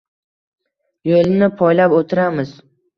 Yo`lini poylab o`tiramiz